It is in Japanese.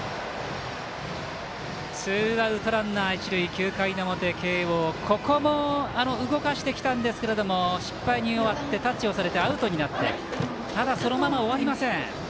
９回の表、慶応ここも動かしてきたんですけれど失敗に終わってタッチをされてアウトになってただ、そのまま終わりません。